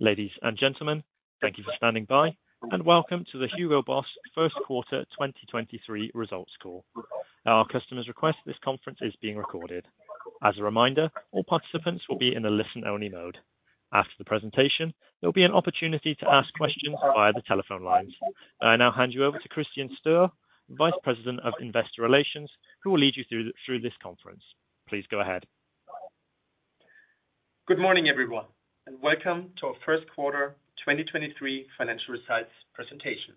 Ladies and gentlemen, thank you for standing by and welcome to the Hugo Boss first quarter 2023 results call. At our customer's request, this conference is being recorded. As a reminder, all participants will be in a listen-only mode. After the presentation, there'll be an opportunity to ask questions via the telephone lines. I now hand you over to Christian Stöhr, Vice President of Investor Relations, who will lead you through this conference. Please go ahead. Good morning, everyone, welcome to our first quarter 2023 financial results presentation.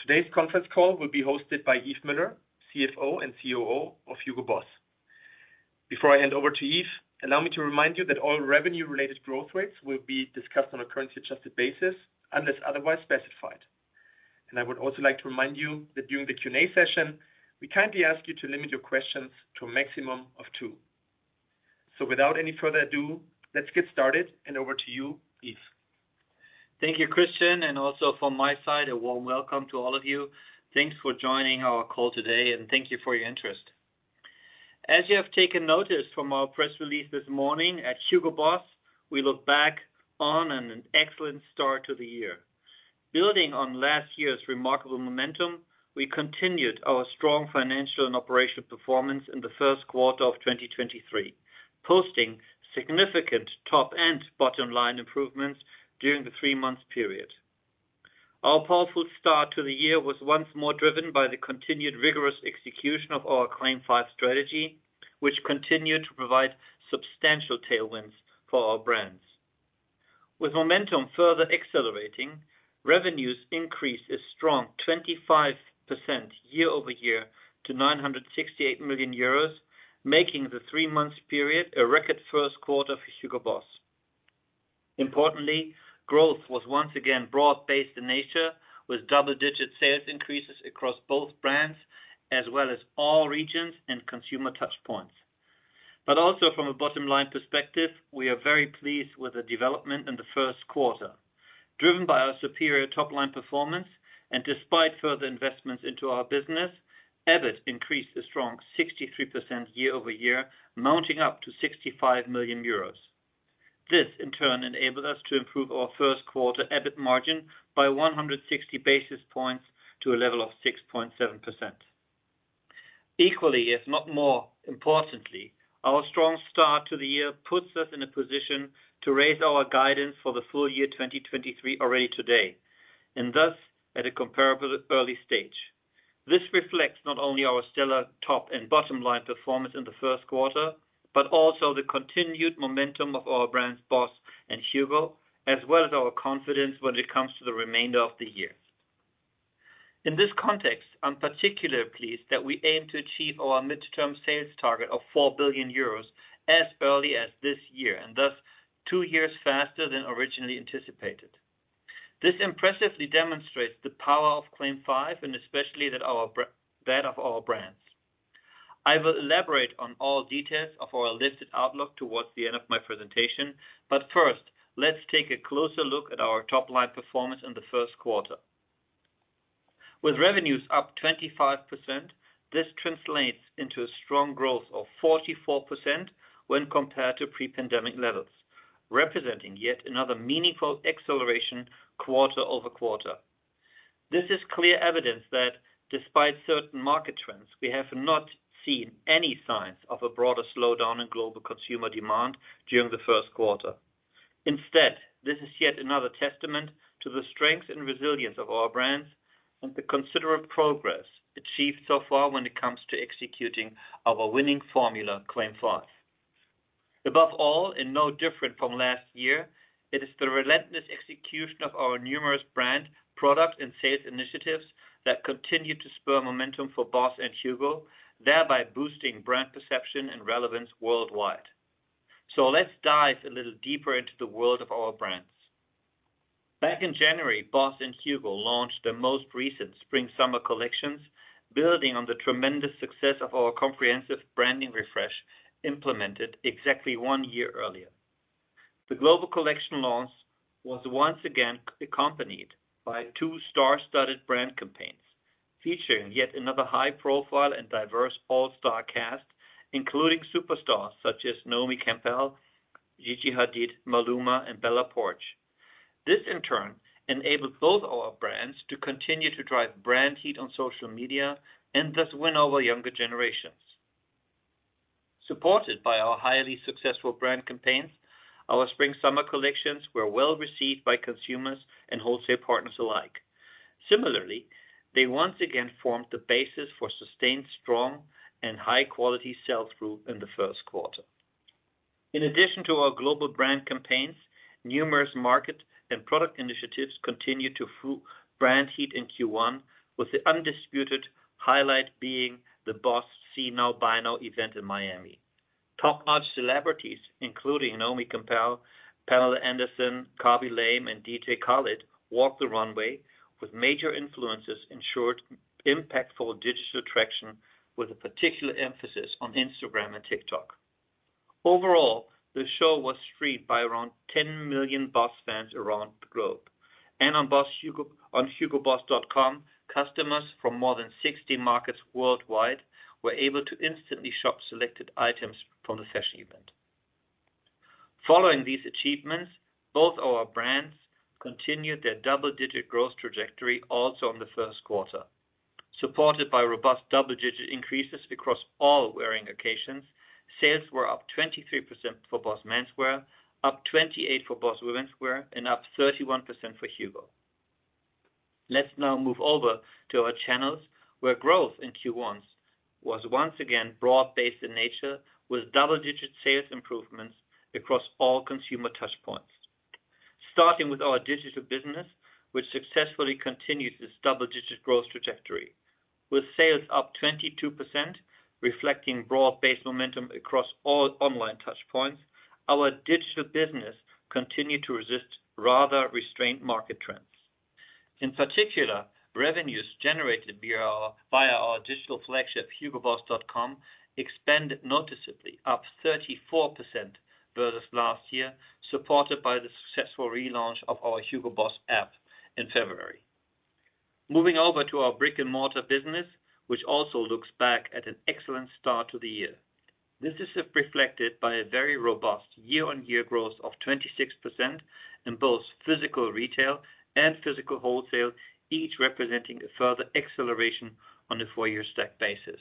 Today's conference call will be hosted by Yves Müller, CFO and COO of Hugo Boss. Before I hand over to Yves, allow me to remind you that all revenue related growth rates will be discussed on a currency adjusted basis unless otherwise specified. I would also like to remind you that during the Q&A session, we kindly ask you to limit your questions to a maximum of two. Without any further ado, let's get started and over to you, Yves. Thank you, Christian. Also from my side, a warm welcome to all of you. Thanks for joining our call today. Thank you for your interest. As you have taken notice from our press release this morning at Hugo Boss, we look back on an excellent start to the year. Building on last year's remarkable momentum, we continued our strong financial and operational performance in the first quarter of 2023, posting significant top and bottom line improvements during the three-month period. Our powerful start to the year was once more driven by the continued rigorous execution of our CLAIM 5 strategy, which continued to provide substantial tailwinds for our brands. With momentum further accelerating, revenues increased a strong 25% year-over-year to 968 million euros, making the three-month period a record first quarter for Hugo Boss. Importantly, growth was once again broad-based in nature, with double-digit sales increases across both brands as well as all regions and consumer touch points. Also from a bottom line perspective, we are very pleased with the development in the first quarter. Driven by our superior top line performance and despite further investments into our business, EBIT increased a strong 63% year-over-year, mounting up to 65 million euros. This, in turn, enabled us to improve our first quarter EBIT margin by 160 basis points to a level of 6.7%. Equally, if not more importantly, our strong start to the year puts us in a position to raise our guidance for the full year 2023 already today, thus at a comparable early stage. This reflects not only our stellar top and bottom line performance in the first quarter, but also the continued momentum of our brands BOSS and HUGO, as well as our confidence when it comes to the remainder of the year. In this context, I'm particularly pleased that we aim to achieve our midterm sales target of 4 billion euros as early as this year, and thus two years faster than originally anticipated. This impressively demonstrates the power of CLAIM 5 and especially that of our brands. First, let's take a closer look at our top line performance in the first quarter. With revenues up 25%, this translates into a strong growth of 44% when compared to pre-pandemic levels, representing yet another meaningful acceleration quarter-over-quarter. This is clear evidence that despite certain market trends, we have not seen any signs of a broader slowdown in global consumer demand during the first quarter. Instead, this is yet another testament to the strength and resilience of our brands and the considerable progress achieved so far when it comes to executing our winning formula, CLAIM 5. Above all, no different from last year, it is the relentless execution of our numerous brand, product and sales initiatives that continue to spur momentum for BOSS and HUGO, thereby boosting brand perception and relevance worldwide. Let's dive a little deeper into the world of our brands. Back in January, BOSS and HUGO launched their most recent spring summer collections, building on the tremendous success of our comprehensive branding refresh implemented exactly one year earlier. The global collection launch was once again accompanied by two star-studded brand campaigns featuring yet another high profile and diverse all-star cast, including superstars such as Naomi Campbell, Gigi Hadid, Maluma and Bella Poarch. This, in turn, enabled both our brands to continue to drive brand heat on social media and thus win over younger generations. Supported by our highly successful brand campaigns, our spring summer collections were well received by consumers and wholesale partners alike. Similarly, they once again formed the basis for sustained, strong and high quality sales growth in the first quarter. In addition to our global brand campaigns, numerous market and product initiatives continued to fuel brand heat in Q1, with the undisputed highlight being the BOSS See Now, Buy Now event in Miami. Top-notch celebrities, including Naomi Campbell, Pamela Anderson, Khaby Lame and DJ Khaled walked the runway with major influencers, ensured impactful digital traction with a particular emphasis on Instagram and TikTok. Overall, the show was streamed by around 10 million BOSS fans around the globe. On BOSS HUGO, on hugoboss.com, customers from more than 60 markets worldwide were able to instantly shop selected items from the fashion event. Following these achievements, both our brands continued their double-digit growth trajectory also in the first quarter. Supported by robust double-digit increases across all wearing occasions, sales were up 23% for BOSS Menswear, up 28% for BOSS Womenswear, and up 31% for HUGO. Let's now move over to our channels where growth in Q1 was once again broad-based in nature, with double-digit sales improvements across all consumer touch points. Starting with our digital business, which successfully continues its double-digit growth trajectory. With sales up 22%, reflecting broad-based momentum across all online touch points, our digital business continued to resist rather restrained market trends. In particular, revenues generated via our digital flagship, hugoboss.com, expanded noticeably up 34% versus last year, supported by the successful relaunch of our HUGO BOSS App in February. Moving over to our brick-and-mortar business, which also looks back at an excellent start to the year. This is reflected by a very robust year-on-year growth of 26% in both physical retail and physical wholesale, each representing a further acceleration on a four-year stack basis.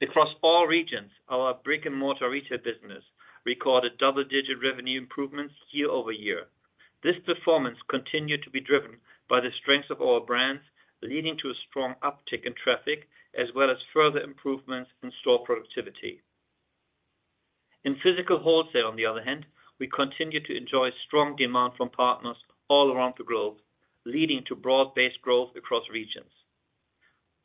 Across all regions, our brick-and-mortar retail business recorded double-digit revenue improvements year-over-year. This performance continued to be driven by the strength of our brands, leading to a strong uptick in traffic, as well as further improvements in store productivity. In physical wholesale, on the other hand, we continue to enjoy strong demand from partners all around the globe, leading to broad-based growth across regions.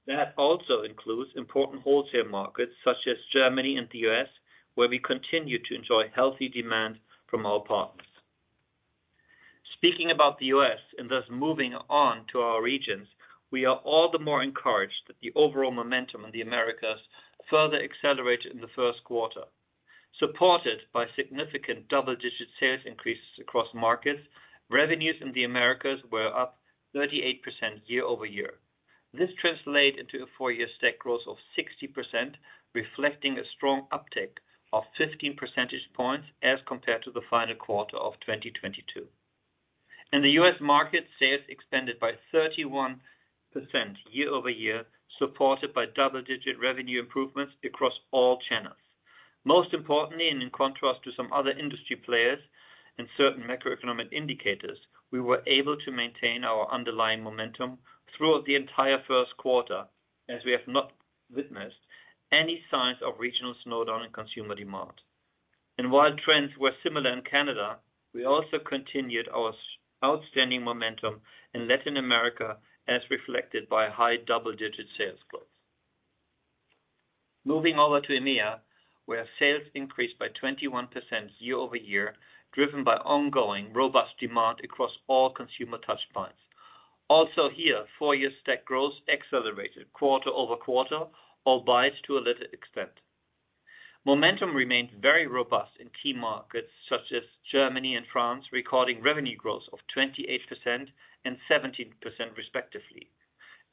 That also includes important wholesale markets such as Germany and the U.S., where we continue to enjoy healthy demand from our partners. Speaking about the U.S. and thus moving on to our regions, we are all the more encouraged that the overall momentum in the Americas further accelerated in the first quarter. Supported by significant double-digit sales increases across markets, revenues in the Americas were up 38% year-over-year. This translate into a four-year stack growth of 60%, reflecting a strong uptick of 15 percentage points as compared to the final quarter of 2022. In the U.S. market, sales expanded by 31% year-over-year, supported by double-digit revenue improvements across all channels. Most importantly, in contrast to some other industry players and certain macroeconomic indicators, we were able to maintain our underlying momentum throughout the entire first quarter, as we have not witnessed any signs of regional slowdown in consumer demand. While trends were similar in Canada, we also continued our outstanding momentum in Latin America, as reflected by high double-digit sales growth. Moving over to EMEA, where sales increased by 21% year-over-year, driven by ongoing robust demand across all consumer touch points. Also here, four-year stack growth accelerated quarter-over-quarter, albeit to a little extent. Momentum remained very robust in key markets such as Germany and France, recording revenue growth of 28% and 17% respectively.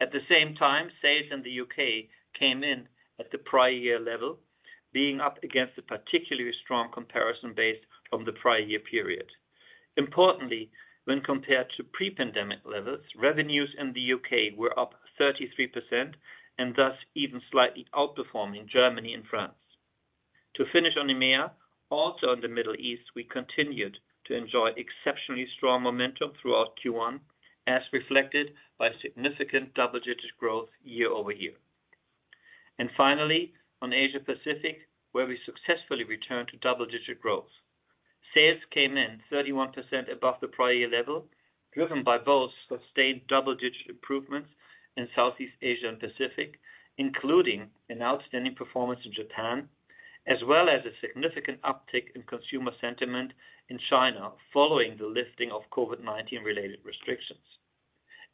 At the same time, sales in the U.K. came in at the prior year level, being up against a particularly strong comparison base from the prior year period. Importantly, when compared to pre-pandemic levels, revenues in the U.K. were up 33% and thus even slightly outperforming Germany and France. To finish on EMEA, also in the Middle East, we continued to enjoy exceptionally strong momentum throughout Q1, as reflected by significant double-digit growth year-over-year. Finally, on Asia Pacific, where we successfully returned to double-digit growth. Sales came in 31% above the prior year level, driven by both sustained double-digit improvements in Southeast Asia and Pacific, including an outstanding performance in Japan, as well as a significant uptick in consumer sentiment in China following the lifting of COVID-19 related restrictions.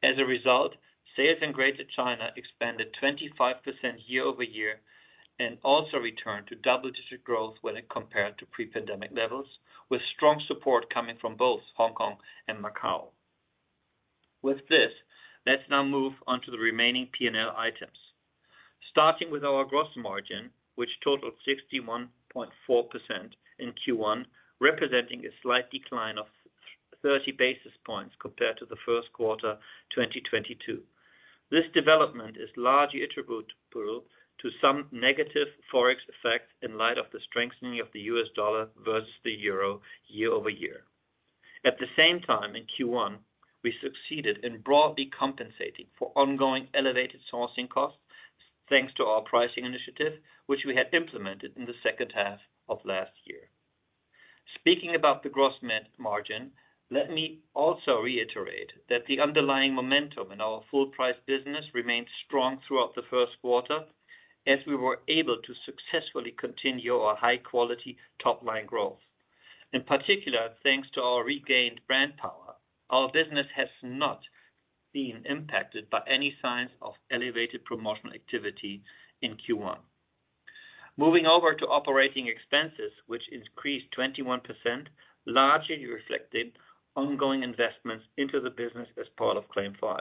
As a result, sales in Greater China expanded 25% year-over-year and also returned to double-digit growth when compared to pre-pandemic levels, with strong support coming from both Hong Kong and Macau. With this, let's now move on to the remaining P&L items. Starting with our gross margin, which totaled 61.4% in Q1, representing a slight decline of 30 basis points compared to the first quarter 2022. This development is largely attributable to some negative Forex effects in light of the strengthening of the US dollar versus the euro year-over-year. At the same time, in Q1, we succeeded in broadly compensating for ongoing elevated sourcing costs thanks to our pricing initiative, which we had implemented in the second half of last year. Speaking about the gross margin, let me also reiterate that the underlying momentum in our full price business remained strong throughout the first quarter as we were able to successfully continue our high-quality top-line growth. In particular, thanks to our regained brand power, our business has not been impacted by any signs of elevated promotional activity in Q1. Moving over to operating expenses, which increased 21%, largely reflected ongoing investments into the business as part of CLAIM 5.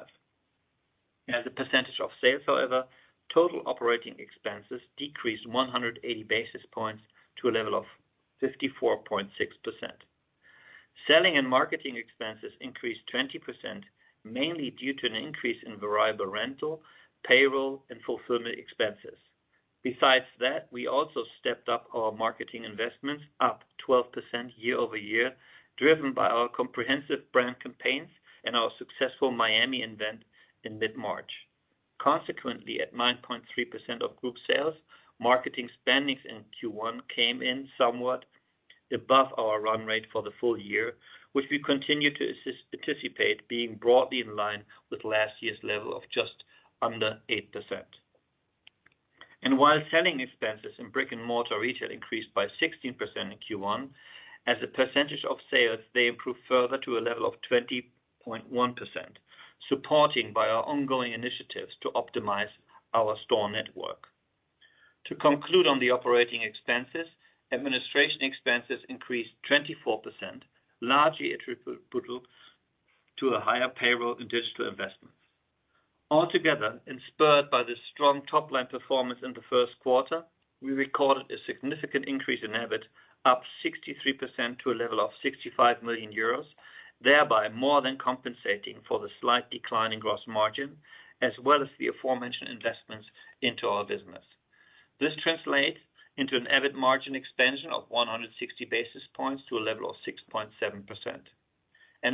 As a percentage of sales, however, total operating expenses decreased 180 basis points to a level of 54.6%. Selling and marketing expenses increased 20%, mainly due to an increase in variable rental, payroll, and fulfillment expenses. We also stepped up our marketing investments up 12% year-over-year, driven by our comprehensive brand campaigns and our successful Miami event in mid-March. Consequently, at 9.3% of group sales, marketing spendings in Q1 came in somewhat above our run rate for the full year, which we continue to assist, participate being broadly in line with last year's level of just under 8%. While selling expenses in brick-and-mortar retail increased by 16% in Q1. As a percentage of sales, they improved further to a level of 20.1%, supporting by our ongoing initiatives to optimize our store network. To conclude on the operating expenses, administration expenses increased 24%, largely attributable to a higher payroll in digital investments. Altogether, spurred by the strong top-line performance in the first quarter, we recorded a significant increase in EBIT, up 63% to a level of 65 million euros, thereby more than compensating for the slight decline in gross margin, as well as the aforementioned investments into our business. This translates into an EBIT margin expansion of 160 basis points to a level of 6.7%.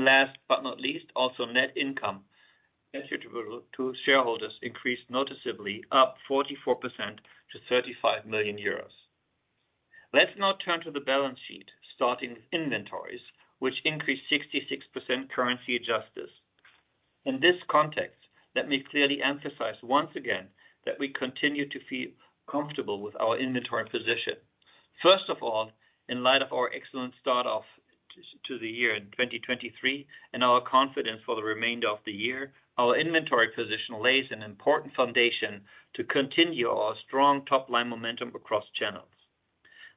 Last but not least, also net income attributable to shareholders increased noticeably, up 44% to 35 million euros. Let's now turn to the balance sheet, starting with inventories, which increased 66% currency adjusted. In this context, let me clearly emphasize once again that we continue to feel comfortable with our inventory position. In light of our excellent start off to the year in 2023 and our confidence for the remainder of the year, our inventory position lays an important foundation to continue our strong top-line momentum across channels.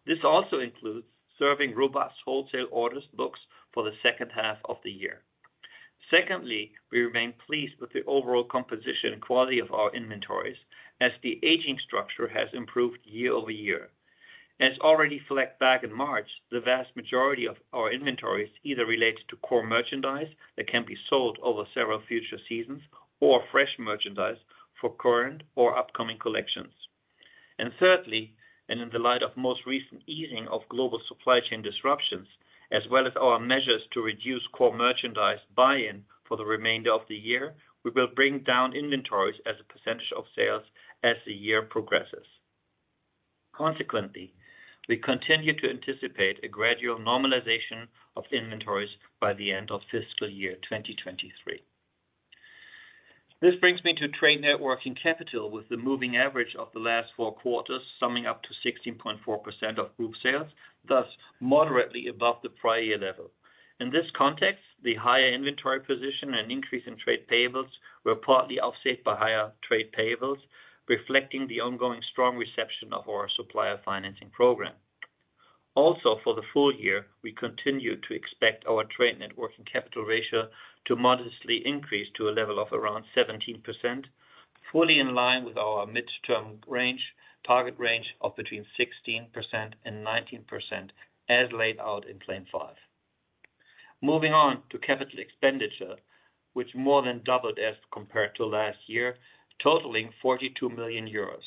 This also includes serving robust wholesale orders books for the second half of the year. We remain pleased with the overall composition and quality of our inventories as the aging structure has improved year-over-year. As already reflected back in March, the vast majority of our inventories either relates to core merchandise that can be sold over several future seasons or fresh merchandise for current or upcoming collections. Thirdly, in the light of most recent easing of global supply chain disruptions, as well as our measures to reduce core merchandise buy-in for the remainder of the year, we will bring down inventories as a percentage of sales as the year progresses. Consequently, we continue to anticipate a gradual normalization of inventories by the end of fiscal year 2023. This brings me to trade network and capital, with the moving average of the last four quarters summing up to 16.4% of group sales, thus moderately above the prior year level. In this context, the higher inventory position and increase in trade payables were partly offset by higher trade payables, reflecting the ongoing strong reception of our supplier financing program. For the full year, we continue to expect our trade net working capital ratio to modestly increase to a level of around 17%, fully in line with our midterm range, target range of between 16% and 19% as laid out in CLAIM 5. Moving on to CapEx, which more than doubled as compared to last year, totaling 42 million euros.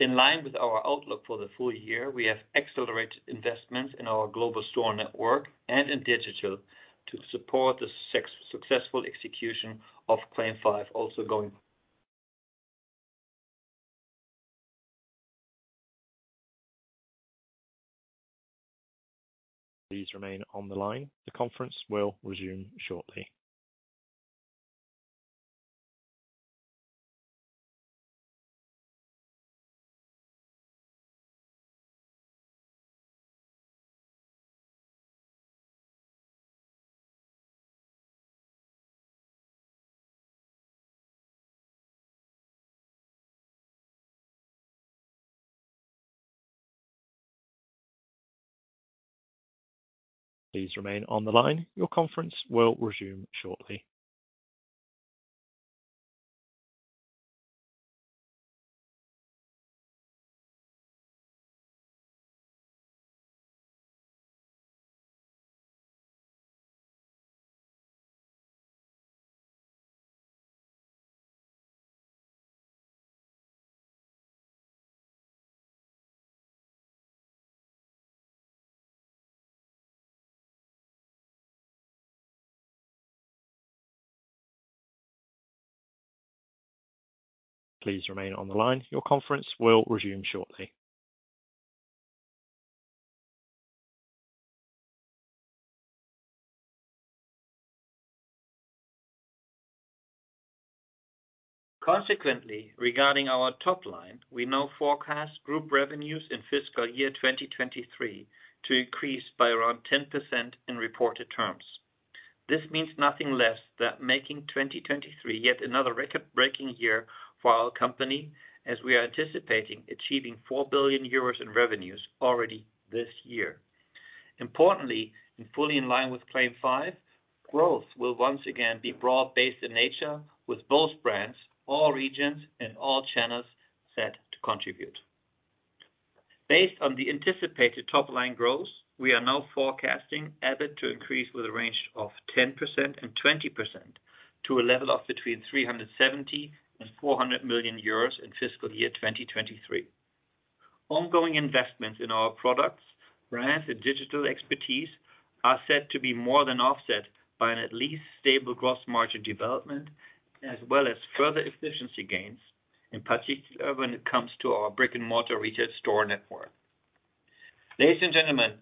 In line with our outlook for the full year, we have accelerated investments in our global store network and in digital to support the successful execution of CLAIM 5 also going. Please remain on the line. The conference will resume shortly. Please remain on the line. Your conference will resume shortly. Consequently, regarding our top line, we now forecast group revenues in fiscal year 2023 to increase by around 10% in reported terms. This means nothing less than making 2023 yet another record-breaking year for our company as we are anticipating achieving 4 billion euros in revenues already this year. Importantly, and fully in line with CLAIM 5, growth will once again be broad-based in nature with both brands, all regions, and all channels set to contribute. Based on the anticipated top-line growth, we are now forecasting EBIT to increase with a range of 10%-20% to a level of between 370 million and 400 million euros in fiscal year 2023. Ongoing investments in our products, brands, and digital expertise are set to be more than offset by an at least stable gross margin development as well as further efficiency gains, in particular, when it comes to our brick-and-mortar retail store network. Ladies and gentlemen,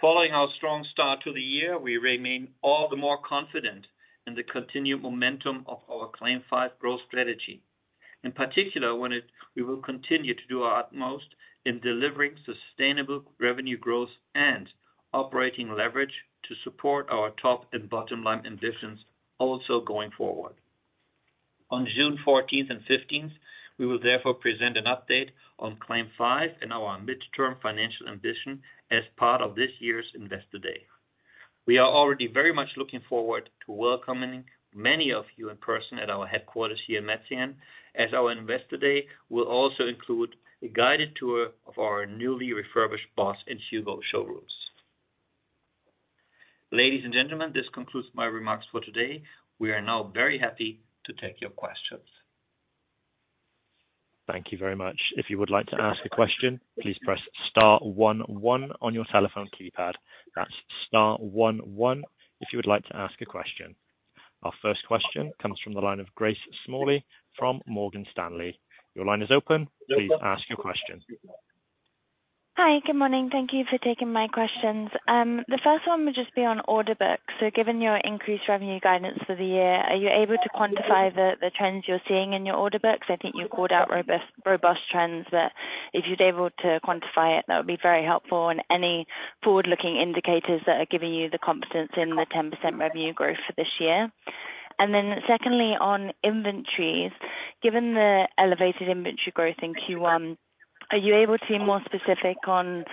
following our strong start to the year, we remain all the more confident in the continued momentum of our CLAIM 5 growth strategy. In particular, we will continue to do our utmost in delivering sustainable revenue growth and operating leverage to support our top and bottom line ambitions also going forward. On June fourteenth and fifteenth, we will therefore present an update on CLAIM 5 and our midterm financial ambition as part of this year's Investor Day. We are already very much looking forward to welcoming many of you in person at our headquarters here in Metzingen as our Investor Day will also include a guided tour of our newly refurbished BOSS and HUGO showrooms. Ladies and gentlemen, this concludes my remarks for today. We are now very happy to take your questions. Thank you very much. If you would like to ask a question, please press star one one on your telephone keypad. That's star one one if you would like to ask a question. Our first question comes from the line of Grace Smalley from Morgan Stanley. Your line is open. Please ask your question. Hi. Good morning. Thank you for taking my questions. The first one would just be on order books. Given your increased revenue guidance for the year, are you able to quantify the trends you're seeing in your order books? I think you called out robust trends that if you're able to quantify it, that would be very helpful and any forward-looking indicators that are giving you the confidence in the 10% revenue growth for this year. Secondly, on inventories, given the elevated inventory growth in Q1, are you able to be more specific on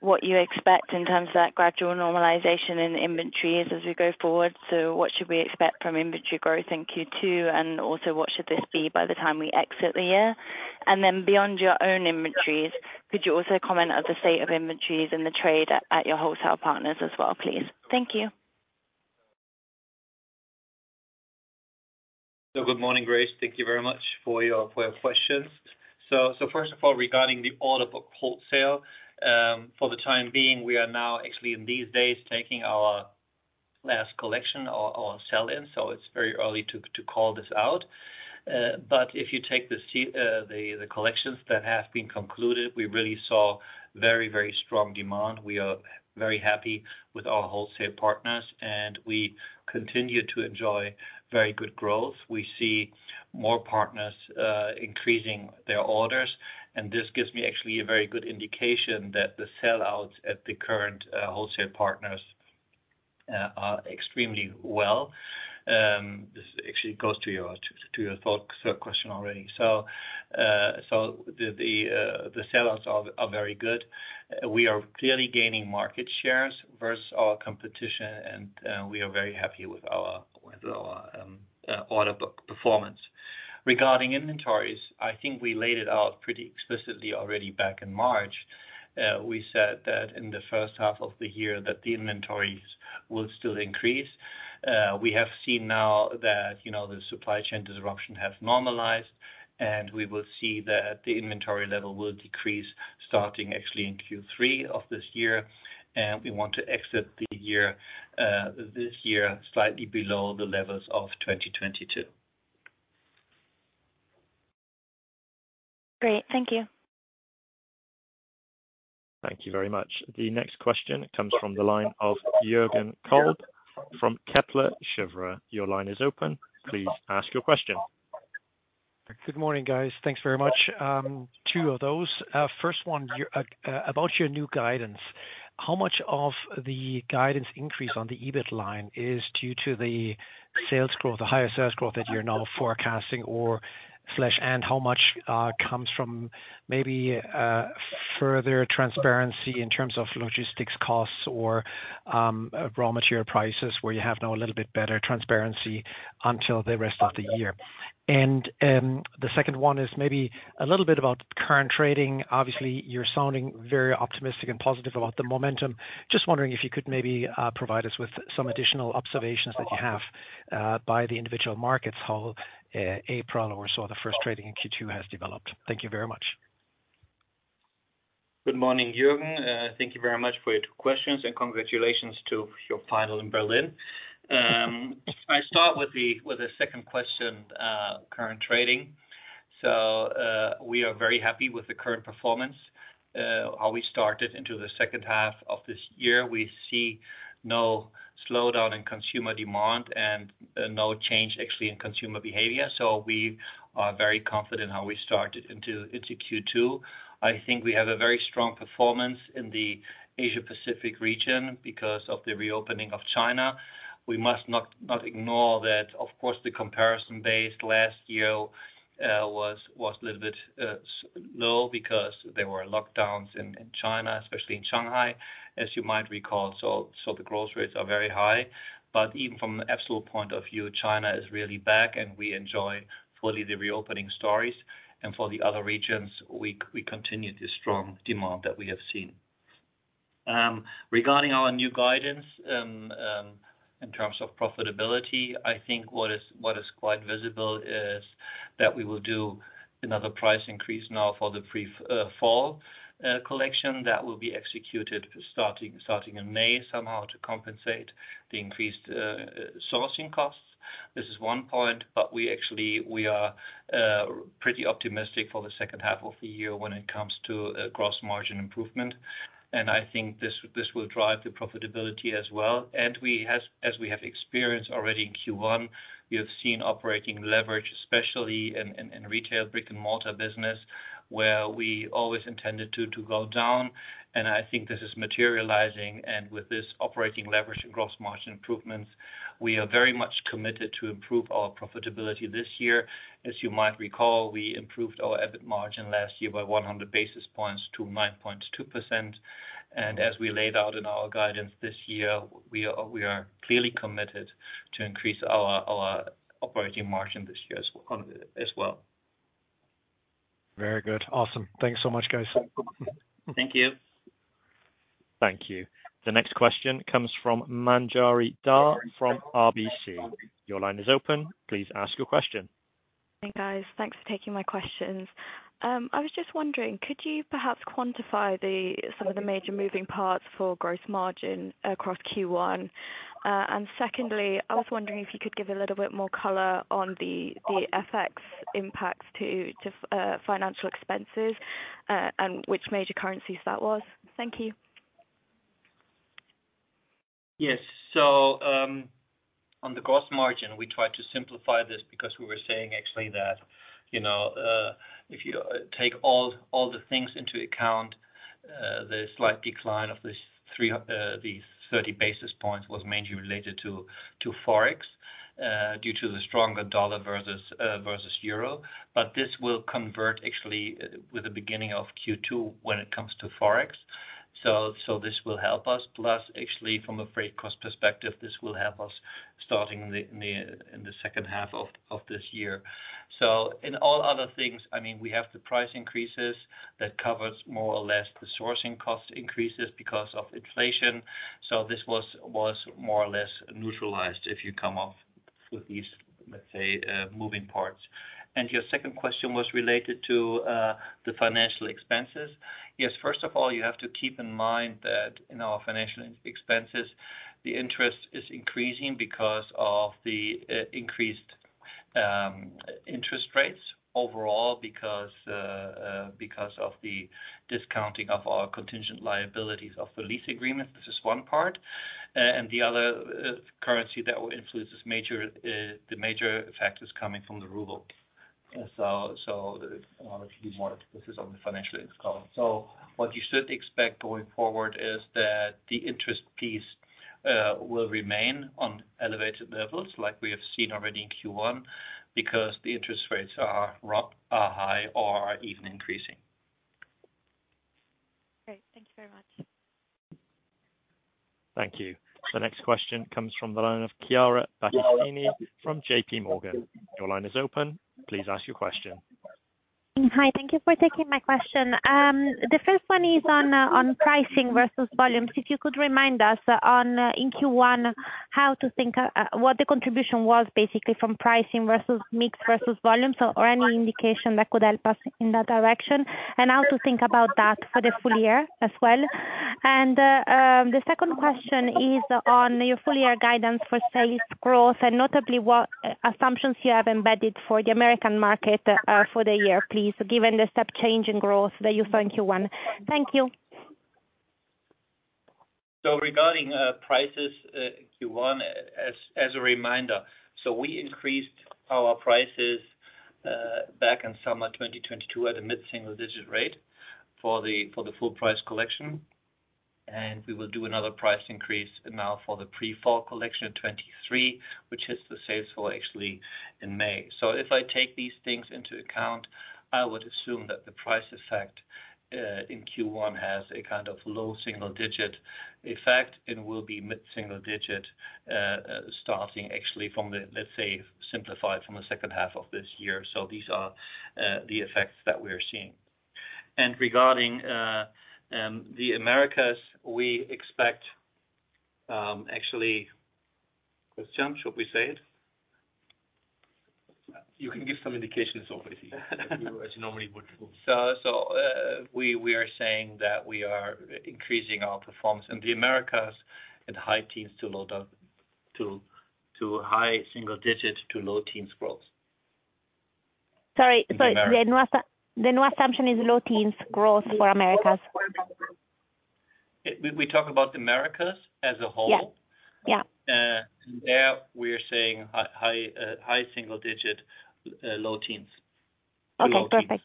what you expect in terms of that gradual normalization in inventories as we go forward? What should we expect from inventory growth in Q2? What should this be by the time we exit the year? Beyond your own inventories, could you also comment on the state of inventories in the trade at your wholesale partners as well, please? Thank you. Good morning, Grace. Thank you very much for your questions. First of all, regarding the order book wholesale, for the time being, we are now actually in these days taking our last collection or sell-in, so it's very early to call this out. If you take the collections that have been concluded, we really saw very strong demand. We are very happy with our wholesale partners, and we continue to enjoy very good growth. We see more partners increasing their orders, and this gives me actually a very good indication that the sell-outs at the current wholesale partners are extremely well. This actually goes to your folks question already. The sell-outs are very good. We are clearly gaining market shares versus our competition, and we are very happy with our order book performance. Regarding inventories, I think we laid it out pretty explicitly already back in March. We said that in the first half of the year that the inventories will still increase. We have seen now that, you know, the supply chain disruption has normalized, and we will see that the inventory level will decrease starting actually in Q3 of this year. We want to exit the year, this year, slightly below the levels of 2022. Great. Thank you. Thank you very much. The next question comes from the line of Jürgen Kolb from Kepler Cheuvreux. Your line is open. Please ask your question. Good morning, guys. Thanks very much. Two of those. First one, about your new guidance, how much of the guidance increase on the EBIT line is due to the sales growth, the higher sales growth that you're now forecasting or slash, how much comes from maybe further transparency in terms of logistics costs or raw material prices where you have now a little bit better transparency until the rest of the year? The second one is maybe a little bit about current trading. Obviously, you're sounding very optimistic and positive about the momentum. Just wondering if you could maybe provide us with some additional observations that you have by the individual markets, how April or so the first trading in Q2 has developed. Thank you very much. Good morning, Jürgen. Thank you very much for your two questions, and congratulations to your final in Berlin. I start with the second question, current trading. We are very happy with the current performance, how we started into the second half of this year. We see no slowdown in consumer demand and no change actually in consumer behavior. We are very confident how we started into Q2. I think we have a very strong performance in the Asia Pacific region because of the reopening of China. We must not ignore that. Of course, the comparison base last year was a little bit low because there were lockdowns in China, especially in Shanghai, as you might recall. The growth rates are very high. Even from an absolute point of view, China is really back and we enjoy fully the reopening stories. For the other regions, we continue the strong demand that we have seen. Regarding our new guidance, in terms of profitability, I think what is quite visible is that we will do another price increase now for the pre-fall collection that will be executed starting in May somehow to compensate the increased sourcing costs. This is one point, but we actually are pretty optimistic for the second half of the year when it comes to gross margin improvement. I think this will drive the profitability as well. We has... as we have experienced already in Q1, we have seen operating leverage, especially in retail brick-and-mortar business, where we always intended to go down, and I think this is materializing. With this operating leverage and gross margin improvements, we are very much committed to improve our profitability this year. As you might recall, we improved our EBIT margin last year by 100 basis points to 9.2%. As we laid out in our guidance this year, we are clearly committed to increase our operating margin this year as well. Very good. Awesome. Thanks so much, guys. Thank you. Thank you. The next question comes from Manjari Dhar from RBC. Your line is open. Please ask your question. Hi, guys. Thanks for taking my questions. I was just wondering, could you perhaps quantify some of the major moving parts for gross margin across Q1? Secondly, I was wondering if you could give a little bit more color on the FX impact to financial expenses, and which major currencies that was. Thank you. Yes. On the gross margin, we try to simplify this because we were saying actually that, you know, if you take all the things into account, the slight decline of these 30 basis points was mainly related to Forex, due to the stronger dollar versus euro. This will convert actually with the beginning of Q2 when it comes to Forex. This will help us. Plus, actually from a freight cost perspective, this will help us starting in the second half of this year. In all other things, I mean, we have the price increases that covers more or less the sourcing cost increases because of inflation. This was more or less neutralized if you come off with these, let's say, moving parts. Your second question was related to the financial expenses. First of all, you have to keep in mind that in our financial expenses, the interest is increasing because of the increased interest rates overall because of the discounting of our contingent liabilities of the lease agreement. This is one part. The other currency that will influence this major, the major effect is coming from the RUB. If you want, this is on the financial column. What you should expect going forward is that the interest piece will remain on elevated levels like we have seen already in Q1, because the interest rates are high or even increasing. Great. Thank you very much. Thank you. The next question comes from the line of Chiara Battistini from JPMorgan. Your line is open. Please ask your question. Hi. Thank you for taking my question. The first one is on pricing versus volumes. If you could remind us on, in Q1 how to think what the contribution was basically from pricing versus mix versus volume, or any indication that could help us in that direction and how to think about that for the full year as well. The second question is on your full year guidance for sales growth and notably what assumptions you have embedded for the American market for the year, please, given the step change in growth that you saw in Q1. Thank you. Regarding prices in Q1, as a reminder, we increased our prices back in summer 2022 at a mid-single digit rate for the full price collection. We will do another price increase now for the pre-fall collection in 2023, which hits the sales floor actually in May. If I take these things into account, I would assume that the price effect in Q1 has a kind of low single digit effect and will be mid-single digit starting actually from the, let's say, simplified from the second half of this year. These are the effects that we're seeing. Regarding the Americas, we expect actually... Christian, should we say it? You can give some indications also as you normally would. We are saying that we are increasing our performance in the Americas at high teens to high single digit to low teens growth. Sorry. Sorry. In the Americas. The new assumption is low teens growth for Americas. We talk about the Americas as a whole. Yes. Yeah. There we are saying high, high single digit, low teens. Okay, perfect.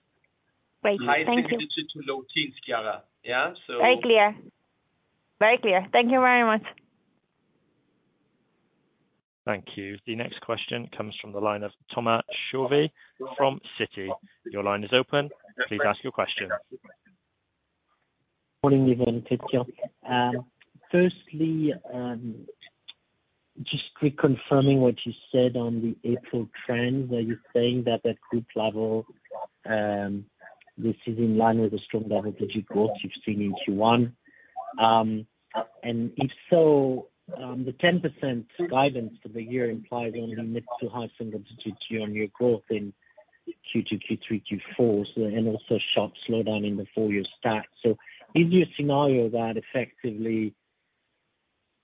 Great. Thank you. High single digit to low teens, Chiara. Yeah. Very clear. Very clear. Thank you very much. Thank you. The next question comes from the line of Thomas Chauvet from Citi. Your line is open. Please ask your question. Morning, Yves, Christin. Firstly, just reconfirming what you said on the April trends. Are you saying that at group level, this is in line with the strong level that you growth you've seen in Q1? If so, the 10% guidance for the year implies only mid to high single digit year-on-year growth in Q2, Q3, Q4, and also sharp slowdown in the full year stack. Is your scenario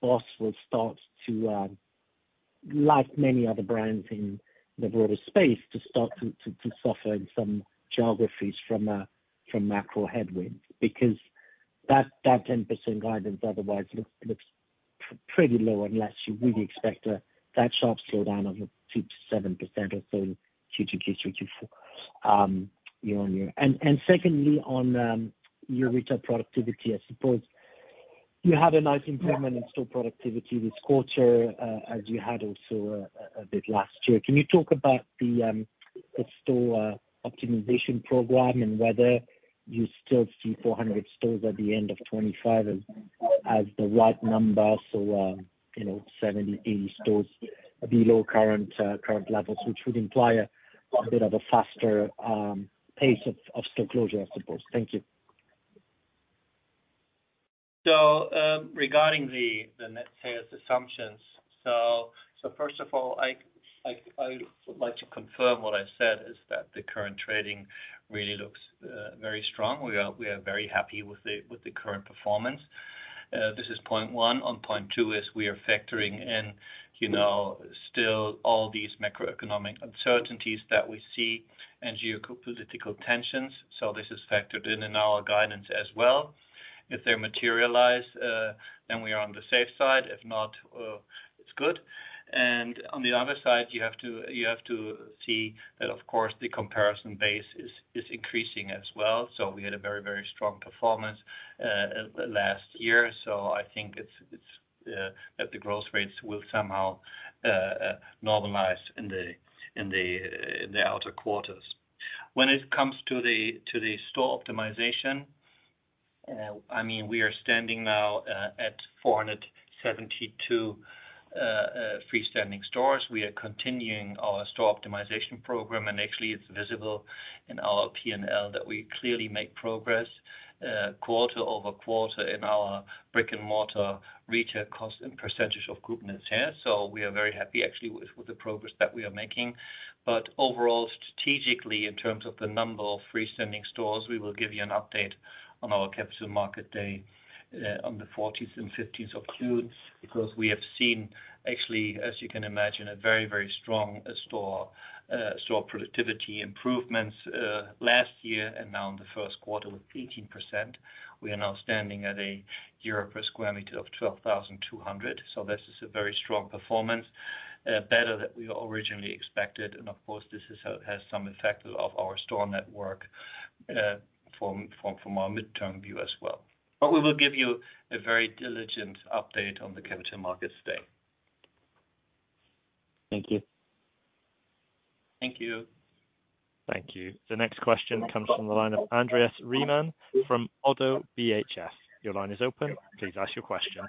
that effectively BOSS will start to, like many other brands in the broader space, to suffer in some geographies from macro headwinds? Because that 10% guidance otherwise looks pretty low unless you really expect a, that sharp slowdown of a 2%-7% or so in Q2, Q3, Q4, year-on-year. Secondly, on your retail productivity, I suppose you had a nice improvement in store productivity this quarter, as you had also a bit last year. Can you talk about the store optimization program and whether you still see 400 stores at the end of 2025 as the right number? you know, 70, 80 stores below current levels, which would imply a bit of a faster pace of store closure, I suppose. Thank you. Regarding the net sales assumptions. First of all, I would like to confirm what I've said is that the current trading really looks very strong. We are very happy with the current performance. This is point one. On point two is we are factoring in, you know, still all these macroeconomic uncertainties that we see and geopolitical tensions. This is factored in in our guidance as well. If they materialize, then we are on the safe side. If not, it's good. On the other side, you have to see that of course the comparison base is increasing as well. We had a very strong performance last year. I think it's that the growth rates will somehow normalize in the outer quarters. When it comes to the store optimization, I mean, we are standing now at 472 freestanding stores. We are continuing our store optimization program, and actually it's visible in our P&L that we clearly make progress quarter-over-quarter in our brick-and-mortar retail cost and percentage of group net sales. We are very happy actually with the progress that we are making. Overall, strategically in terms of the number of freestanding stores, we will give you an update on our Capital Markets Day on the 14th and 15th of June. We have seen actually, as you can imagine, a very, very strong store productivity improvements, last year and now in the first quarter with 18%. We are now standing at a EUR per square meter of 12,200. This is a very strong performance, better than we originally expected. This is, has some effect of our store network, from our midterm view as well. We will give you a very diligent update on the Capital Markets Day. Thank you. Thank you. Thank you. The next question comes from the line of Andreas Riemann from ODDO BHF. Your line is open. Please ask your question.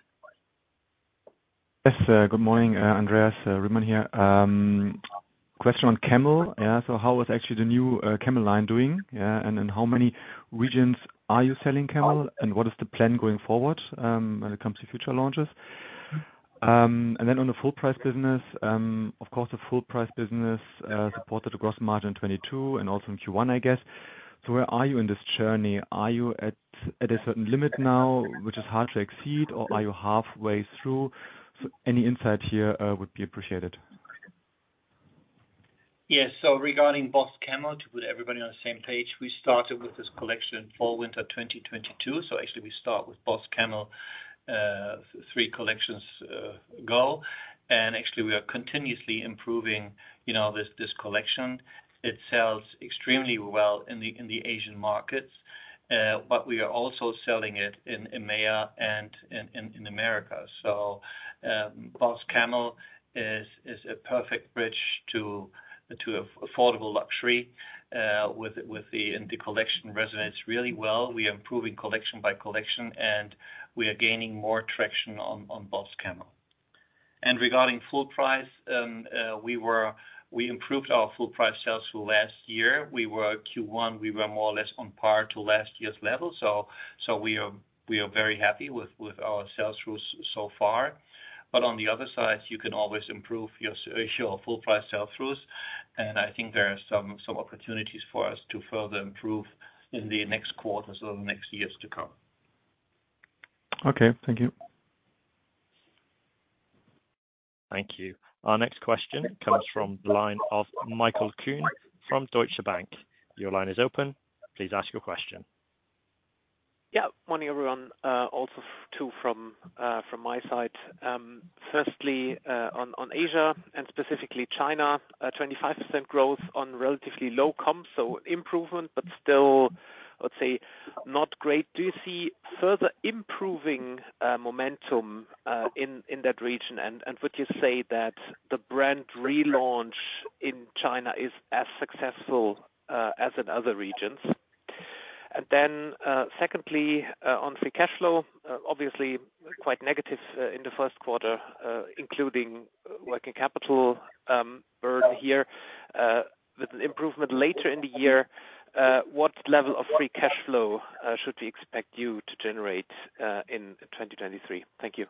Yes. Good morning. Andreas Riemann here. Question on BOSS Camel. How is actually the new BOSS Camel line doing? And how many regions are you selling BOSS Camel, and what is the plan going forward when it comes to future launches? On the full price business, of course, the full price business supported the gross margin in 2022 and also in Q1. Where are you in this journey? Are you at a certain limit now, which is hard to exceed, or are you halfway through? Any insight here would be appreciated. Yes. Regarding BOSS Camel, to put everybody on the same page, we started with this collection fall/winter 2022. Actually we start with BOSS Camel, three collections ago. Actually we are continuously improving, you know, this collection. It sells extremely well in the Asian markets, but we are also selling it in EMEA and in America. BOSS Camel is a perfect bridge to affordable luxury. The collection resonates really well. We are improving collection by collection, and we are gaining more traction on BOSS Camel. Regarding full price, we improved our full price sales through last year. Q1, we were more or less on par to last year's level. We are very happy with our sales through so far. On the other side, you can always improve your ratio of full price sell-throughs, and I think there are some opportunities for us to further improve in the next quarters or the next years to come. Okay. Thank you. Thank you. Our next question comes from the line of Michael Kuhn from Deutsche Bank. Your line is open. Please ask your question. Morning, everyone, also too from my side. Firstly, on Asia and specifically China, 25% growth on relatively low comps. Improvement, but still, let's say, not great. Do you see further improving momentum in that region? Would you say that the brand relaunch in China is as successful as in other regions? Secondly, on free cash flow, obviously quite negative in the first quarter, including working capital burn here, with an improvement later in the year. What level of free cash flow should we expect you to generate in 2023? Thank you.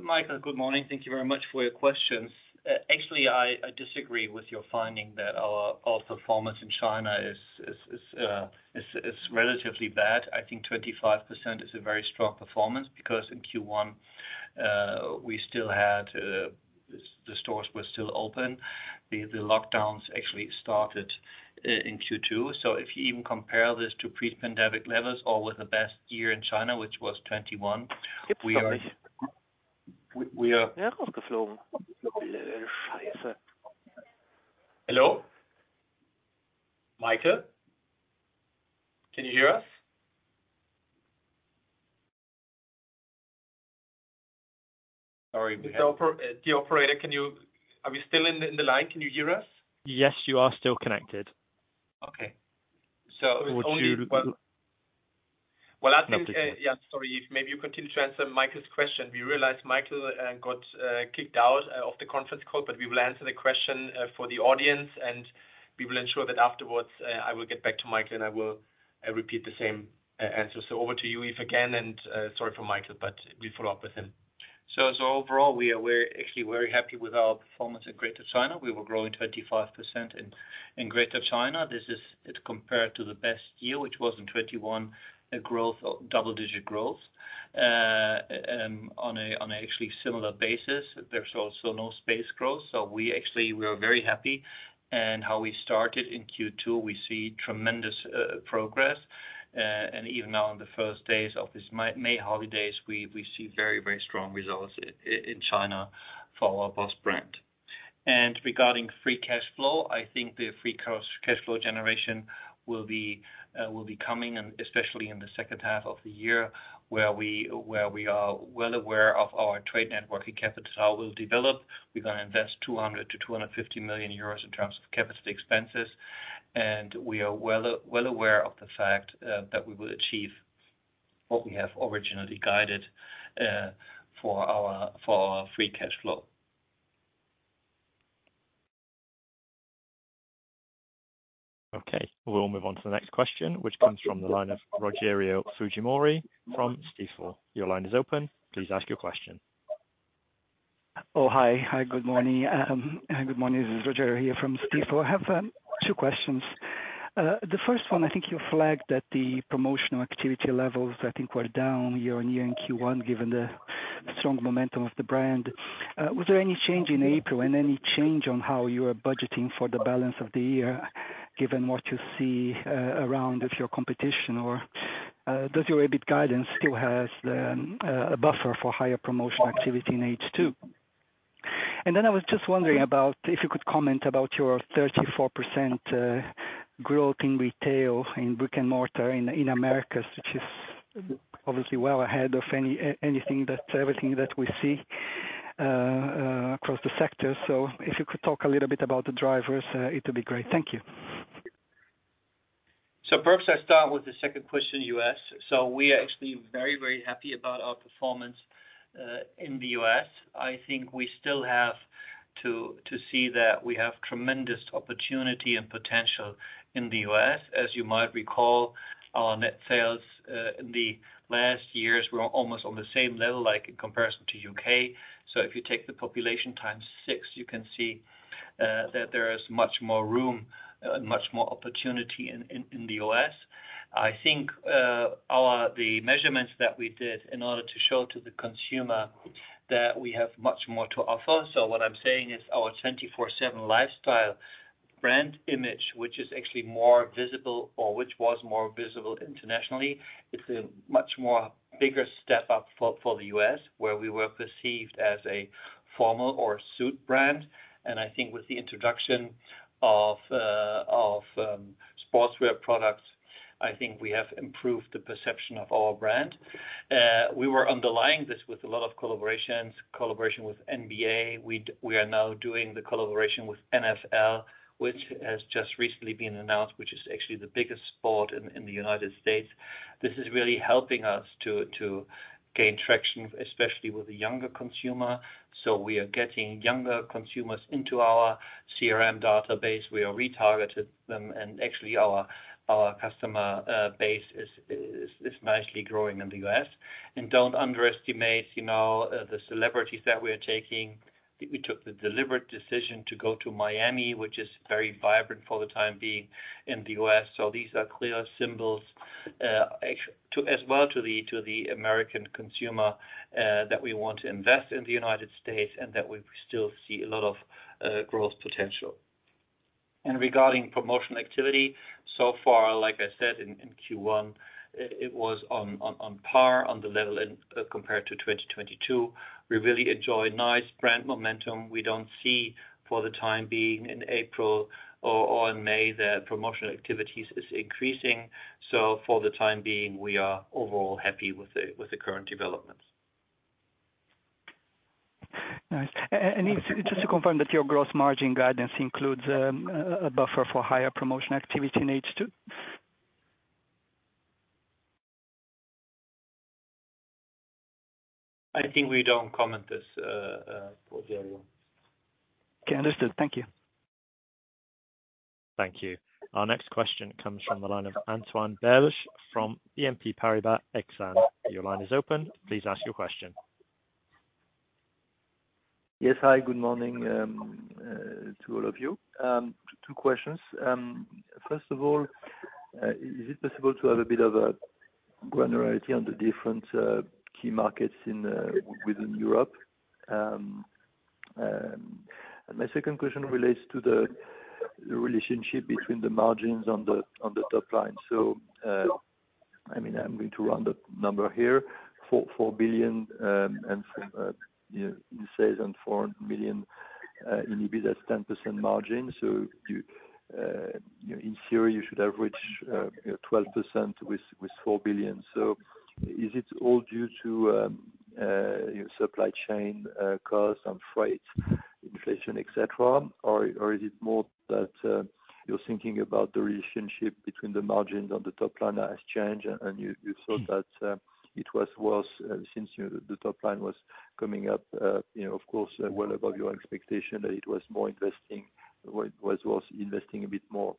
Michael, good morning. Thank you very much for your questions. Actually, I disagree with your finding that our performance in China is relatively bad. I think 25% is a very strong performance because in Q1, we still had the stores were still open. The lockdowns actually started in Q2. If you even compare this to pre-pandemic levels or with the best year in China, which was 2021. Hello? Michael? Can you hear us? Sorry. The operator, can you... Are we still in the line? Can you hear us? Yes, you are still connected. Okay. I think, yeah. Sorry. If maybe you continue to answer Michael's question. We realized Michael got kicked out of the conference call, but we will answer the question for the audience, and we will ensure that afterwards, I will get back to Michael and I will repeat the same answer. Over to you, Yves, again, and sorry for Michael, but we follow up with him. Overall, we are very actually very happy with our performance in Greater China. We were growing 25% in Greater China. This is compared to the best year, which was in 2021, double-digit growth on a actually similar basis. There's also no space growth. We actually, we are very happy in how we started in Q2. We see tremendous progress. Even now in the first days of this May holidays, we see very strong results in China for our BOSS brand. Regarding free cash flow, I think the free cash flow generation will be coming, and especially in the second half of the year, where we are well aware of our trade network and capital will develop. We're gonna invest 200 million-250 million euros in terms of capacity expenses, and we are well aware of the fact that we will achieve what we have originally guided for our free cash flow. Okay. We'll move on to the next question, which comes from the line of Rogerio Fujimori from Stifel. Your line is open. Please ask your question. Hi. Hi. Good morning. Good morning. This is Rogerio here from Stifel. I have two questions. The first one, I think you flagged that the promotional activity levels, I think, were down year-on-year in Q1, given the strong momentum of the brand. Was there any change in April and any change on how you are budgeting for the balance of the year, given what you see around with your competition? Does your EBIT guidance still has a buffer for higher promotion activity in H2? Then I was just wondering about if you could comment about your 34% growth in retail in brick-and-mortar in Americas, which is obviously well ahead of anything that Everything that we see across the sector. If you could talk a little bit about the drivers, it'd be great. Thank you. Perhaps I start with the second question, U.S. We are actually very, very happy about our performance in the U.S. I think we still have to see that we have tremendous opportunity and potential in the U.S. As you might recall, our net sales in the last years were almost on the same level, like in comparison to U.K. If you take the population times six, you can see that there is much more room, much more opportunity in the U.S. The measurements that we did in order to show to the consumer that we have much more to offer. What I'm saying is our 24/7 lifestyle brand image, which is actually more visible or which was more visible internationally, it's a much more bigger step up for the U.S., where we were perceived as a formal or suit brand. I think with the introduction of sportswear products, I think we have improved the perception of our brand. We were underlying this with a lot of collaborations, collaboration with NBA. We are now doing the collaboration with NFL, which has just recently been announced, which is actually the biggest sport in the United States. This is really helping us to gain traction, especially with the younger consumer. We are getting younger consumers into our CRM database. We are retargeted them, and actually our customer base is nicely growing in the U.S. Don't underestimate, you know, the celebrities that we are taking. We took the deliberate decision to go to Miami, which is very vibrant for the time being in the U.S. These are clear symbols as well, to the American consumer, that we want to invest in the United States and that we still see a lot of growth potential. Regarding promotional activity, so far, like I said, in Q1, it was on par on the level compared to 2022. We really enjoy nice brand momentum. We don't see for the time being in April or in May, the promotional activities is increasing. For the time being, we are overall happy with the current developments. Nice. Just to confirm that your gross margin guidance includes a buffer for higher promotion activity in H2? I think we don't comment this for the year one. Okay, understood. Thank you. Thank you. Our next question comes from the line of Antoine Belge from BNP Paribas Exane. Your line is open. Please ask your question. Yes. Hi, good morning, to all of you. Two questions. First of all, is it possible to have a bit of a granularity on the different key markets within Europe? My second question relates to the relationship between the margins on the top line. I mean, I'm going to run the number here, 4 billion, and, you know, you says on EUR 4 million in EBIT, that's 10% margin. You, you know, in theory, you should average, you know, 12% with 4 billion. Is it all due to, you know, supply chain costs on freight, inflation, et cetera? Is it more that you're thinking about the relationship between the margins on the top line has changed and you thought that it was worse since you the top line was coming up, you know, of course, well above your expectation that it was more investing a bit more.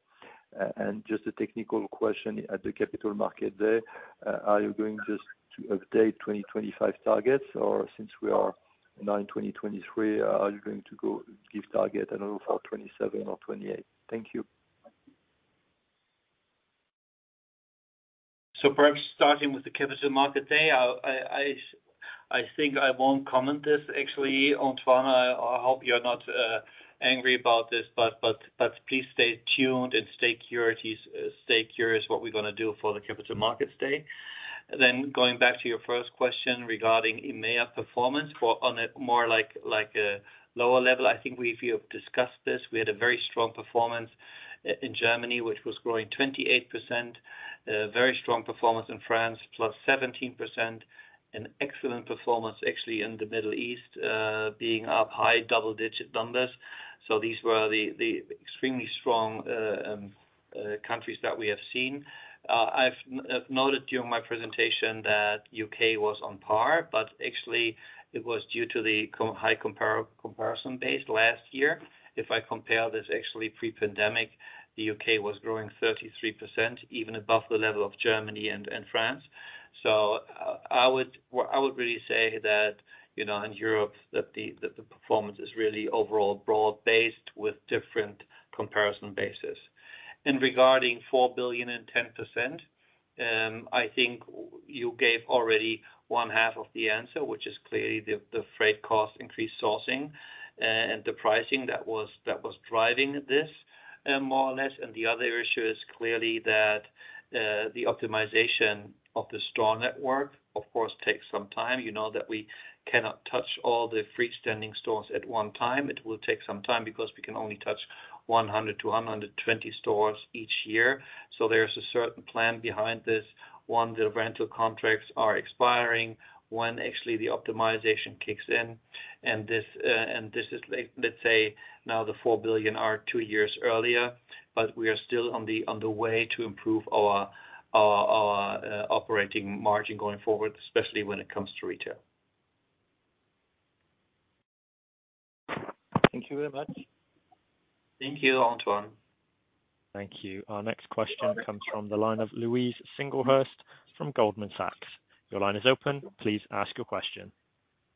Just a technical question at the Capital Markets Day there, are you going just to update 2025 targets or since we are now in 2023, are you going to go give target another for 2027 or 2028? Thank you. Perhaps starting with the Capital Markets Day, I'll I think I won't comment this actually, Antoine. I hope you're not angry about this, but please stay tuned and stay curious what we're gonna do for the Capital Markets Day. Going back to your first question regarding EMEA performance for on a more like a lower level, I think we've discussed this. We had a very strong performance in Germany, which was growing 28%, very strong performance in France, plus 17%, an excellent performance actually in the Middle East, being up high double digit numbers. These were the extremely strong countries that we have seen. I've noted during my presentation that U.K. was on par, but actually it was due to the high comparison base last year. If I compare this actually pre-pandemic, the U.K. was growing 33% even above the level of Germany and France. I would really say that, you know, in Europe that the performance is really overall broad-based with different comparison bases. Regarding 4 billion and 10%, I think you gave already one half of the answer, which is clearly the freight cost increased sourcing and the pricing that was driving this more or less. The other issue is clearly that the optimization of the store network of course takes some time. You know that we cannot touch all the freestanding stores at one time. It will take some time because we can only touch 100-120 stores each year. There's a certain plan behind this. One, the rental contracts are expiring, one, actually the optimization kicks in. This is like, let's say now the 4 billion are two years earlier, but we are still on the way to improve our operating margin going forward, especially when it comes to retail. Thank you very much. Thank you, Antoine. Thank you. Our next question comes from the line of Louise Singlehurst from Goldman Sachs. Your line is open. Please ask your question.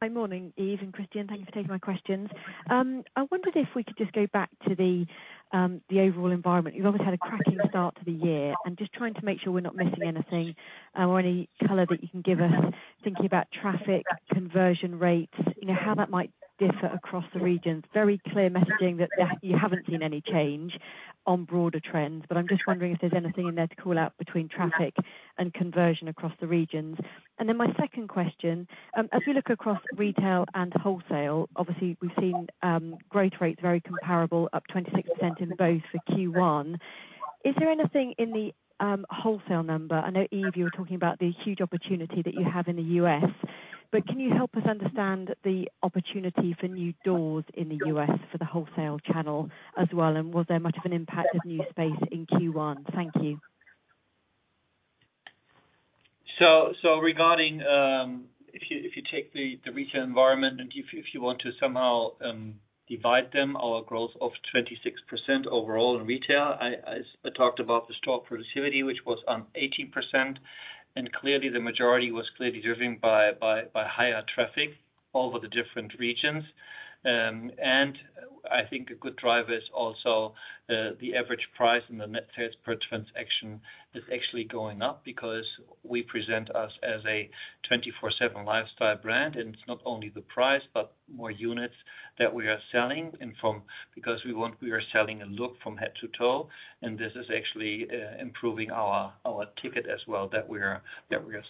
Hi. Morning, Yves and Christian. Thank you for taking my questions. I wondered if we could just go back to the overall environment. You've obviously had a cracking start to the year and just trying to make sure we're not missing anything or any color that you can give us thinking about traffic, conversion rates, you know, how that might differ across the regions. Very clear messaging that you haven't seen any change on broader trends, but I'm just wondering if there's anything in there to call out between traffic and conversion across the regions. My second question, as we look across retail and wholesale, obviously we've seen growth rates very comparable up 26% in both for Q1. Is there anything in the wholesale number? I know, Yves, you were talking about the huge opportunity that you have in the U.S. Can you help us understand the opportunity for new doors in the U.S. for the wholesale channel as well? Was there much of an impact of new space in Q1? Thank you. Regarding, if you take the retail environment and if you want to somehow divide them our growth of 26% overall in retail, I talked about the store productivity, which was on 18%, clearly the majority was clearly driven by higher traffic over the different regions. I think a good driver is also the average price and the net sales per transaction is actually going up because we present us as a 24/7 lifestyle brand, it's not only the price, but more units that we are selling. Because we are selling a look from head to toe, this is actually improving our ticket as well that we are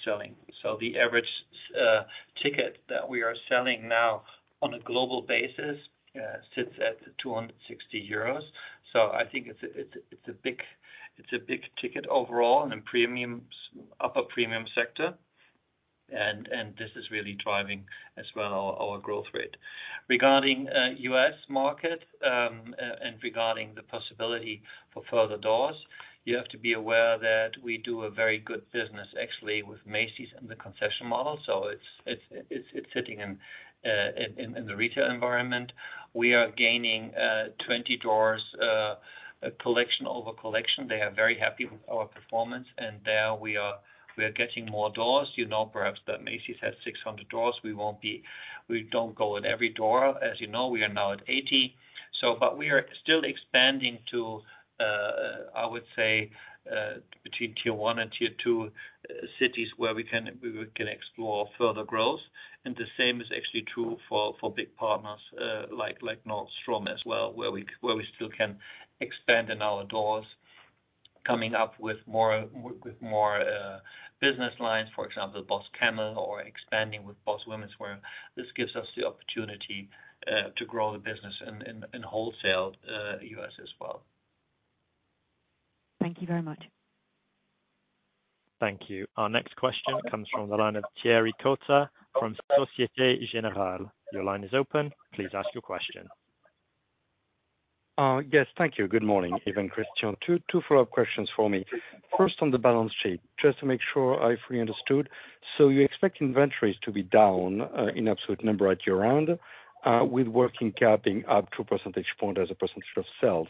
selling. The average ticket that we are selling now on a global basis sits at 260 euros. I think it's a big ticket overall in a premium-upper premium sector. This is really driving as well our growth rate. Regarding U.S. market, and regarding the possibility for further doors, you have to be aware that we do a very good business actually with Macy's and the concession model. It's sitting in the retail environment. We are gaining 20 doors collection over collection. They are very happy with our performance. There we are, we are getting more doors. You know, perhaps that Macy's has 600 doors. We don't go in every door. As you know, we are now at 80. But we are still expanding to, I would say, between tier one and tier two cities where we can, we can explore further growth. The same is actually true for big partners, like Nordstrom as well, where we, where we still can expand in our doors, coming up with more, with more business lines, for example, BOSS Camel or expanding with BOSS Womenswear. This gives us the opportunity, to grow the business in, in wholesale, U.S. as well. Thank you very much. Thank you. Our next question comes from the line of Thierry Cota from Société Générale. Your line is open. Please ask your question. Yes, thank you. Good morning, Yves and Christian. Two follow-up questions for me. First on the balance sheet, just to make sure I fully understood. You expect inventories to be down in absolute number at year-end, with working cap being up 2 percentage points as a percentage of sales.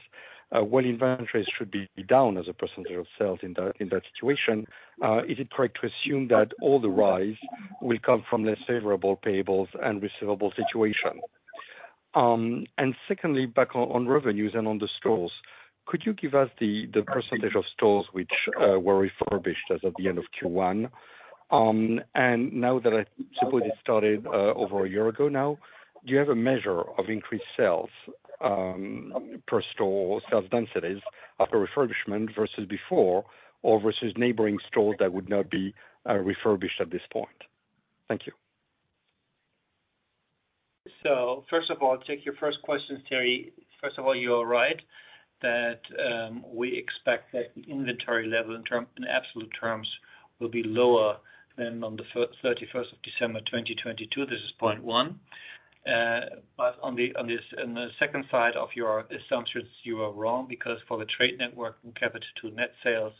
While inventories should be down as a percentage of sales in that situation, is it correct to assume that all the rise will come from less favorable payables and receivable situation? Secondly, back on revenues and on the stores. Could you give us the percentage of stores which were refurbished as of the end of Q1? Now that I suppose it started over a year ago now, do you have a measure of increased sales per store or sales densities after refurbishment versus before or versus neighboring stores that would not be refurbished at this point? Thank you. First of all, take your first question, Thierry. First of all, you are right that, we expect that the inventory level in term, in absolute terms will be lower than on the thirty-first of December 2022. This is point 1. On the, on this, on the second side of your assumptions, you are wrong because for the trade networking capital to net sales,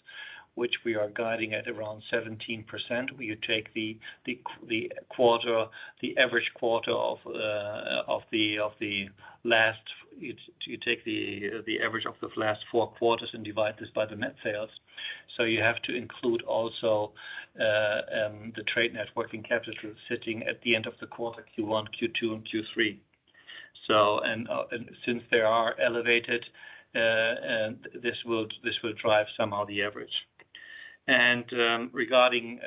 which we are guiding at around 17%, we take the quarter, the average quarter of the last. You take the average of the last four quarters and divide this by the net sales. You have to include also the trade networking capital sitting at the end of the quarter Q1, Q2, and Q3. And since they are elevated, and this will drive somehow the average. Regarding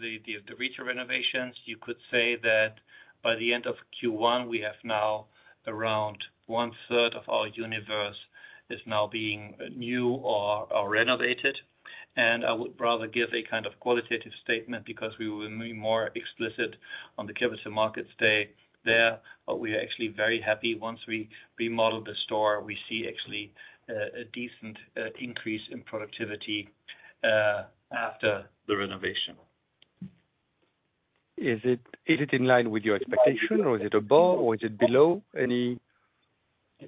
the retail renovations, you could say that by the end of Q1, we have now around one-third of our universe is now being new or renovated. I would rather give a kind of qualitative statement because we will be more explicit on the Capital Markets Day there. We are actually very happy once we remodel the store, we see actually a decent increase in productivity after the renovation. Is it in line with your expectation or is it above or is it below? It's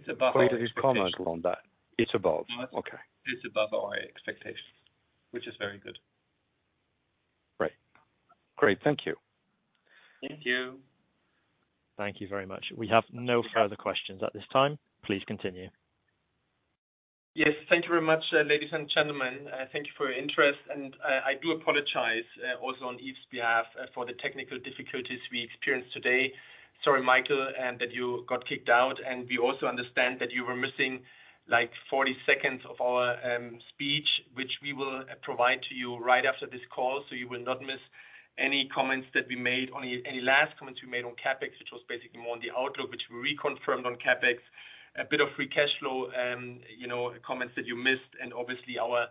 above our expectations. Qualitative comment on that? It's above. Okay. It's above our expectations, which is very good. Great. Great. Thank you. Thank you. Thank you very much. We have no further questions at this time. Please continue. Yes. Thank you very much, ladies and gentlemen. Thank you for your interest. I do apologize, also on Yves's behalf for the technical difficulties we experienced today. Sorry, Michael, and that you got kicked out. We also understand that you were missing like 40 seconds of our speech, which we will provide to you right after this call. You will not miss any comments that we made on. Any last comments we made on CapEx, which was basically more on the outlook, which we reconfirmed on CapEx. A bit of free cash flow, you know, comments that you missed and obviously our,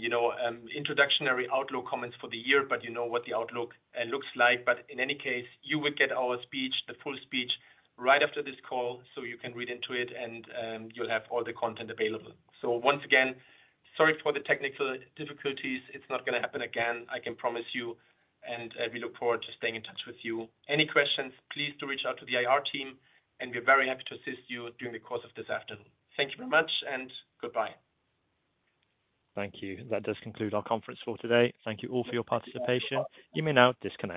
you know, introductionary outlook comments for the year, you know what the outlook looks like. In any case, you will get our speech, the full speech right after this call, so you can read into it and, you'll have all the content available. Once again, sorry for the technical difficulties. It's not gonna happen again, I can promise you. We look forward to staying in touch with you. Any questions, please do reach out to the IR team, and we're very happy to assist you during the course of this afternoon. Thank you very much and goodbye. Thank you. That does conclude our conference for today. Thank you all for your participation. You may now disconnect.